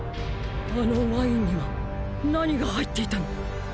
あのワインには何が入っていたの？